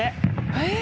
えっ。